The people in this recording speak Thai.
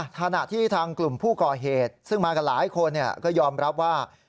ถ้าหนักที่ทางกลุ่มผู้ก่อเหตุซึ่งมากับหลายคนเนี่ยก็ยอมรับว่า